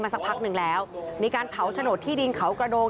สักพักหนึ่งแล้วมีการเผาโฉนดที่ดินเขากระโดง